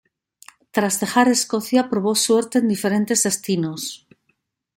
Tras dejar Escocia, probó suerte en diferentes destinos.